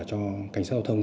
cho cảnh sát giao thông